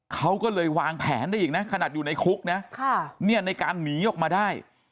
เขาก็เลยวางแผนได้อีกนะขนาดอยู่ในคุกนะในการหนีออกมาได้